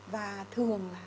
và thường là